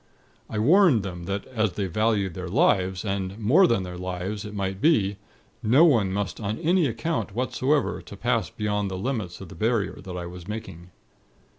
I warned them that, as they valued their lives, and more than their lives it might be, no one must on any account whatsoever pass beyond the limits of the barrier that I was making.